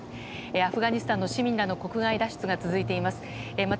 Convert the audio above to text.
アフガニスタンの市民らの国外脱出が続いています。